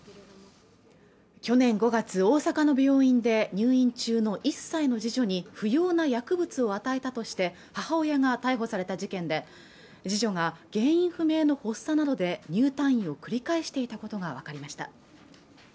去年５月大阪の病院で入院中の１歳の次女に不要な薬物を与えたとして母親が逮捕された事件で次女が原因不明の発作などで入退院を繰り返していたことが分かりました